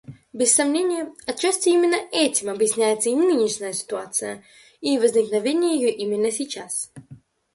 Без сомнения, отчасти именно этим объясняется и нынешняя ситуация, и возникновение ее именно сейчас.